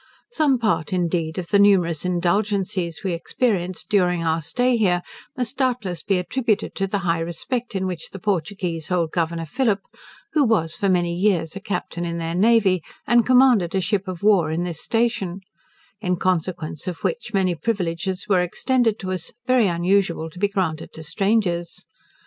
Some part, indeed, of the numerous indulgencies we experienced during our stay here, must doubtless be attributed to the high respect in which the Portuguese held Governor Phillip, who was for many years a captain in their navy, and commanded a ship of war on this station: in consequence of which, many privileges were extended to us, very unusual to be granted to strangers.